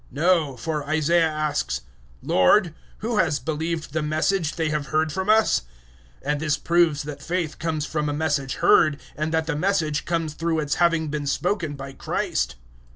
No, for Isaiah asks, "Lord, who has believed the Message they have heard from us?" 010:017 And this proves that faith comes from a Message heard, and that the Message comes through its having been spoken by Christ.